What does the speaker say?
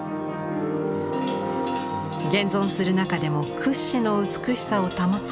現存する中でも屈指の美しさを保つ